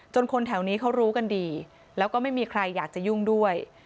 คนแถวนี้เขารู้กันดีแล้วก็ไม่มีใครอยากจะยุ่งด้วย